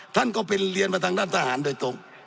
ท่านก็เป็นเรียนมาทางด้านทหารโดยตรง